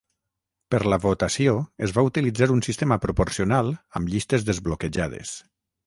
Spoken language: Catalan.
Per la votació es va utilitzar un sistema proporcional amb llistes desbloquejades.